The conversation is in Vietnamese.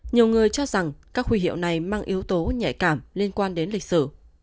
nhiều người cho rằng các huy hiệu này mang yếu tố nhạy cảm liên quan đến lịch sử